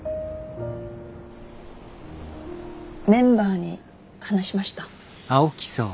メンバーに話しました。